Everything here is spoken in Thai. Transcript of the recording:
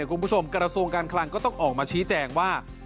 กระทรวงการคลังก็ต้องออกมาชี้แจงว่า